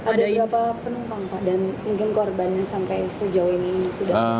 ada berapa penumpang pak dan mungkin korban sampai sejauh ini sudah